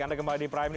anda kembali di prime